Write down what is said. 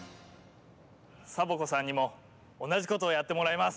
サボ子さんにもおなじことをやってもらいます！